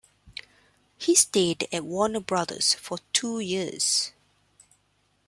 He stayed at Warner Brothers for two years.